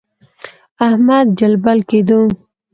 احمد جلبل کېدو.